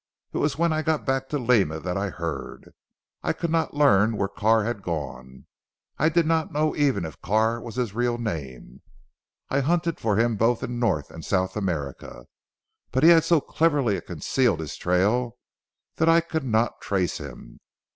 It was when I got back to Lima that I heard. I could not learn where Carr had gone. I did not know even if Carr was his real name. I hunted for him both in North and South America, but he had so cleverly concealed his trail that I could not trace him.